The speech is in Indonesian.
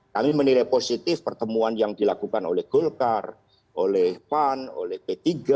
kami menilai positif pertemuan yang dilakukan oleh golkar oleh pan oleh p tiga